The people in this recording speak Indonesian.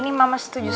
perrow sangat berguna